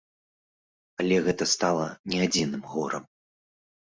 Але гэта стала не адзіным горам.